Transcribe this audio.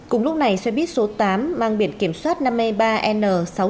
cùng lúc này xe buýt số tám mang biển kiểm soát năm mươi ba n sáu nghìn chín trăm một mươi bảy